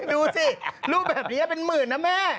ดูสิรูปแบบนี้เป็นหมื่นนะแม่